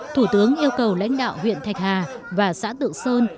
thủ tướng yêu cầu lãnh đạo huyện thạch hà và xã tự sơn